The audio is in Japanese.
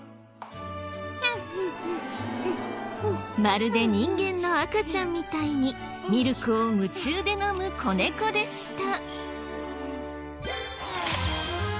まるで人間の赤ちゃんみたいにミルクを夢中で飲む子猫でした。